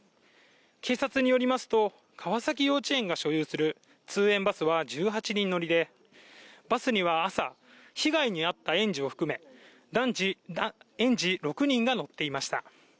警察によりますと、川崎幼稚園が所有する通園バスは１８人乗りで、バスには朝、被害に遭った園児を含め園児６人が乗っていました。